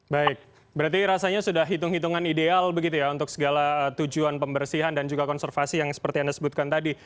baik berarti rasanya sudah hitung hitungan ideal begitu ya untuk segala tujuan pembersihan dan juga konservasi yang seperti anda sebutkan tadi